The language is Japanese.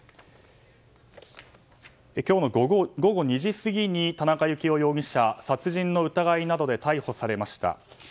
今日の午後２時過ぎに田中幸雄容疑者は殺人の疑いなどで逮捕されました。